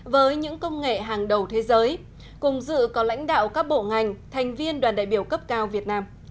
với những công nghệ hàng đầu thế giới cùng dự có lãnh đạo các bộ ngành thành viên đoàn đại biểu cấp cao việt nam